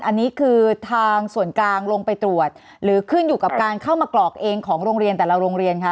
อันนี้คือทางส่วนกลางลงไปตรวจหรือขึ้นอยู่กับการเข้ามากรอกเองของโรงเรียนแต่ละโรงเรียนคะ